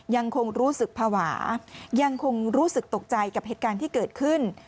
ยังคงรู้สึกภาวะยังคงรู้สึกตกใจกับเหตุการณ์ที่เกิดขึ้น